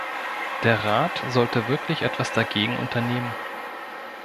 Der Rat sollte wirklich etwas dagegen unternehmen.